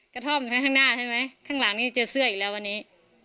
กระท่อมข้างหน้าใช่ไหมข้างหลังนี้เจอเสื้ออีกแล้ววันนี้